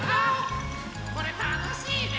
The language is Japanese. これたのしいね！